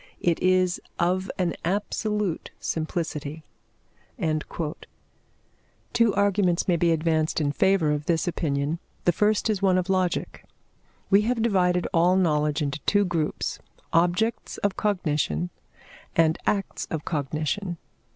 It is of an absolute simplicity." Two arguments may be advanced in favour of this opinion. The first is one of logic. We have divided all knowledge into two groups objects of cognition, and acts of cognition.